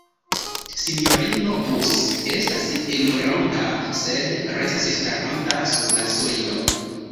Sinjorino Bus estas enironta, sed restas staranta sur la sojlo.